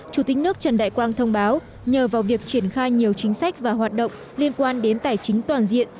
chủ tịch nước trần đại quang thông báo nhờ vào việc triển khai nhiều chính sách và hoạt động liên quan đến tài chính toàn diện